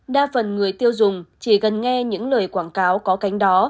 đa phần người tiêu dùng chỉ cần nghe những lời quảng cáo có cánh đó